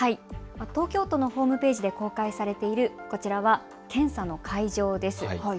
東京都のホームページで公開されている検査の会場です。